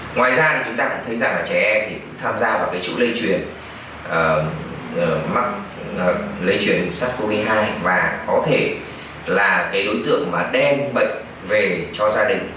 ngoài ra chúng ta cũng thấy rằng là trẻ em thì cũng tham gia vào cái chỗ lây truyền lấy chuyển sars cov hai và có thể là cái đối tượng mà đem bệnh về cho gia đình